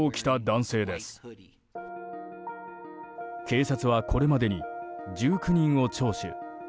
警察はこれまでに１９人を聴取。